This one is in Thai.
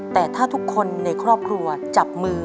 แต่ถ้าทุกคนในครอบครัวจับมือ